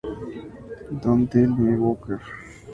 Don't Tell My Booker!!!